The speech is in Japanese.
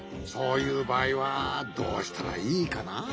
そういうばあいはどうしたらいいかな。